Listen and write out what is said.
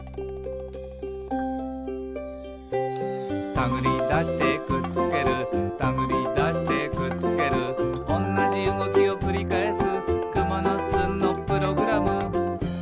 「たぐりだしてくっつけるたぐりだしてくっつける」「おんなじうごきをくりかえす」